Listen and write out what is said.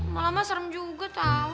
malah mah serem juga tau